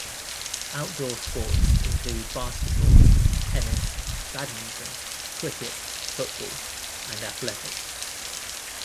Outdoor sports include basketball, tennis, badminton, cricket, football and athletics.